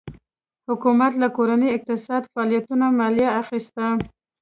حکومت له کورنیو اقتصادي فعالیتونو مالیه اخیسته.